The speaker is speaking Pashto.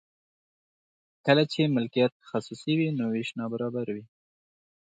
کله چې مالکیت خصوصي وي نو ویش نابرابر وي.